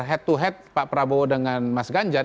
head to head pak prabowo dengan mas ganjar